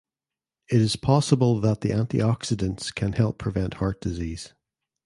It is possible that the antioxidants can help prevent heart disease.